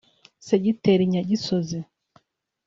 segiteri Nyagisozi